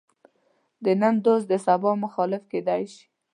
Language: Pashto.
د نن دوست د سبا مخالف کېدای شي.